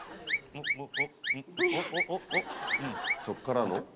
そっからの？